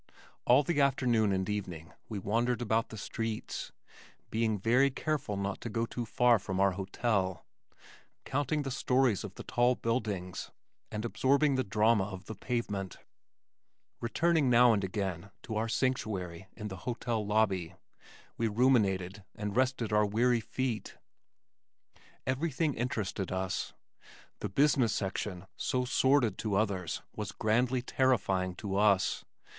All the afternoon and evening we wandered about the streets (being very careful not to go too far from our hotel), counting the stories of the tall buildings, and absorbing the drama of the pavement. Returning now and again to our sanctuary in the hotel lobby we ruminated and rested our weary feet. Everything interested us. The business section so sordid to others was grandly terrifying to us.